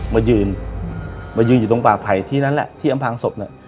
มายืนมายืนอยู่ตรงป่าไผ่ที่นั่นแหละที่อำพางศพน่ะ